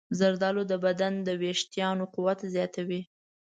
زردالو د بدن د ویښتانو قوت زیاتوي.